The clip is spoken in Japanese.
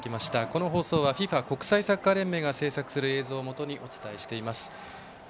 この放送はＦＩＦＡ＝国際サッカー連盟が製作する映像を元にお伝えしています。